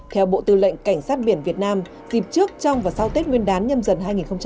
theo bộ tư lệnh cảnh sát biển việt nam dịp trước trong và sau tết nguyên đán nhâm dần hai nghìn hai mươi bốn